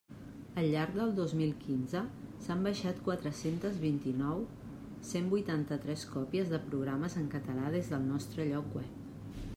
Al llarg del dos mil quinze s'han baixat quatre-centes vint-i-nou cent vuitanta-tres còpies de programes en català des del nostre lloc web.